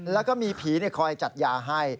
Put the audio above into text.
แล้วก็มีผีคอยจัดยาให้